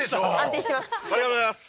ありがとうございます。